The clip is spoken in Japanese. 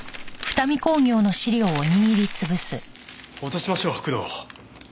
落としましょう工藤を。